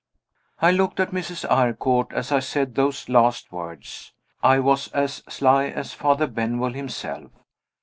I looked at Mrs. Eyrecourt as I said those last words I was as sly as Father Benwell himself.